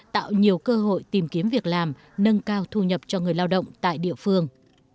tạo nhiều cơ hội tìm kiếm việc làm nâng cao thu nhập cho người lao động tại địa phương